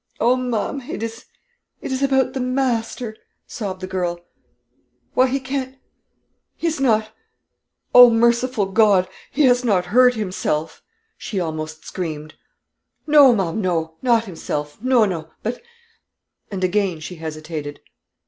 "Oh, ma'am, it is it is about the master," sobbed the girl. "Why he can't he has not oh, merciful God! He has not hurt himself," she almost screamed. "No, ma'am, no; not himself; no, no, but " and again she hesitated.